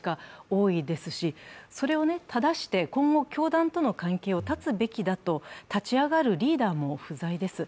多いですし、それをただして、今後、教団との関係を絶つべきだと立ち上がるリーダーも不在です。